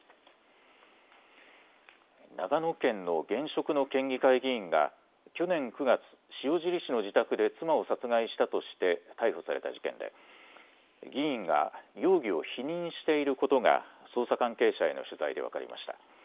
長野県の現職の県議会議員が去年９月、塩尻市の自宅で妻を殺害したとして逮捕された事件で議員が容疑を否認していることが捜査関係者への取材で分かりました。